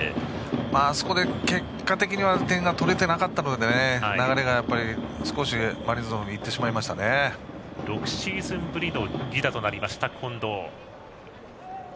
あそこで結果的には点が取れなかったので流れがマリーンズに６シーズンぶりの犠打となった近藤。